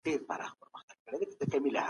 د هغه نظریات په اروپا کي ډېر منل سوي وو.